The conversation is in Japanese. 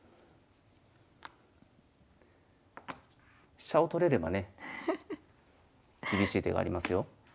飛車を取れればね厳しい手がありますよ。